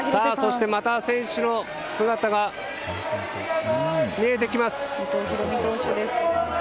また選手の姿が見えてきます。